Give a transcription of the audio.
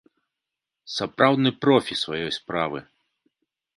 Сапраўдны профі сваёй справы!